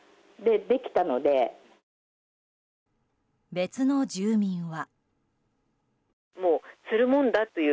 別の住民は。